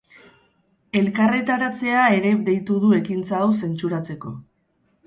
Elkarretaratzea ere deitu du ekintza hau zentsuratzeko.